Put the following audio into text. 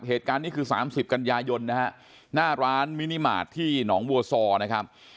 เหตุการณ์นี้คือ๓๐กันยายนนะฮะหน้าร้านมินิมาตรที่หนองบัวซอนะครับ